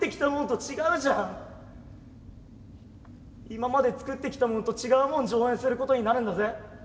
今まで作ってきたものと違うもん上演することになるんだぜ？